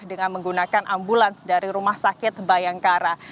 dengan menggunakan ambulans dari rumah sakit bayangkara